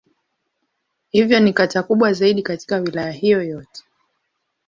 Hivyo ni kata kubwa zaidi katika Wilaya hiyo yote.